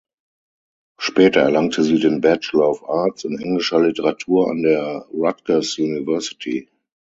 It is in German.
Später erlangte sie den Bachelor of Arts in englischer Literatur an der Rutgers University.